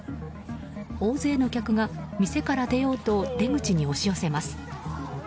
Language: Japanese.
大勢の客が店から出ようと出口に押し寄せます。